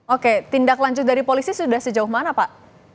oke tindak lanjut dari polisi sudah sejauh mana pak